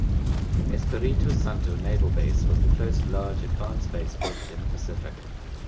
Espiritu Santo Naval Base was the first large advance base built in the Pacific.